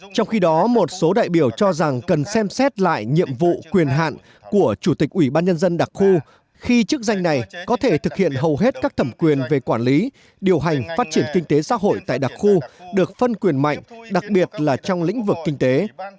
trong khi đó một số đại biểu cho rằng cần xem xét lại nhiệm vụ quyền hạn của chủ tịch ủy ban nhân dân đặc khu khi chức danh này có thể thực hiện hầu hết các thẩm quyền về quản lý điều hành phát triển kinh tế xã hội tại đặc khu được phân quyền mạnh đặc biệt là trong lĩnh vực kinh tế